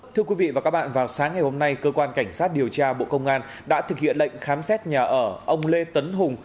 thưa quý vị và các bạn vào sáng ngày hôm nay cơ quan cảnh sát điều tra bộ công an đã thực hiện lệnh khám xét nhà ở ông lê tấn hùng